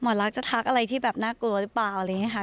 รักจะทักอะไรที่แบบน่ากลัวหรือเปล่าอะไรอย่างนี้ค่ะ